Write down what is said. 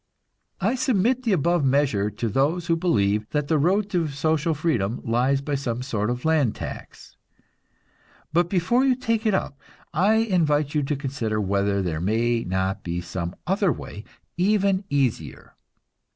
I submit the above measure to those who believe that the road to social freedom lies by some sort of land tax. But before you take it up I invite you to consider whether there may not be some other way, even easier.